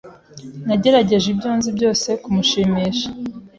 Nagerageje ibyo nzi byose kumushimisha.